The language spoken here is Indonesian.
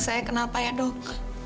saya kenapa ya dok